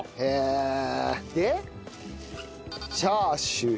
チャーシュー。